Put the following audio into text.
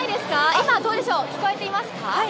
今はどうでしょう、聞こえていますか？